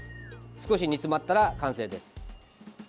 少し煮詰まったら完成です。